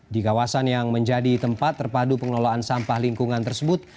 di kawasan yang menjadi tempat terpadu pengelolaan sampah lingkungan tersebut